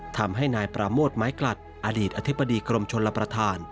ทำให้นายปราโมทไม้กลัดอดีตอธิบดีกรมชนรับประทาน